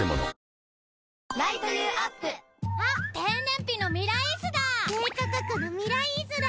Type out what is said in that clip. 低燃費の「ミライース」だ低価格の「ミライース」だ